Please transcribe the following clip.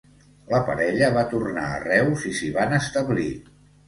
La parella va tornar a Reus i s'hi van establir.